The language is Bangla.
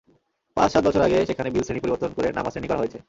পাঁচ-সাত বছর আগে সেখানে বিল শ্রেণি পরিবর্তন করে নামা শ্রেণি করা হয়েছে।